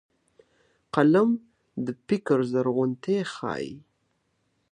قلم د فکر زرغونتيا ښيي